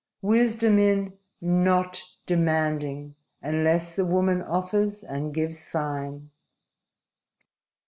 Wisdom in not demanding unless the woman offers and gives sign."